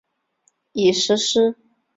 已实施。